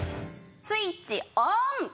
スイッチオン！